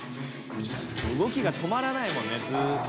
動きがとまらないもんねずっと。